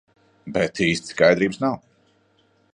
Bet īsti skaidrības nav.